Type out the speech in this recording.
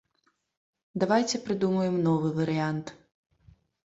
Давайце прыдумаем новы варыянт.